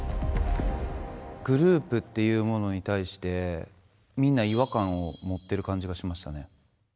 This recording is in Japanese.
グループというものに対してみんな違和感を持ってる感じがしましたね。